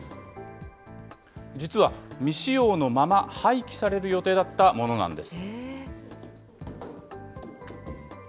実は未使用のまま、廃棄される予定だったものなんです。